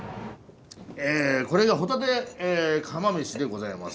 えこれがホタテ釜めしでございます。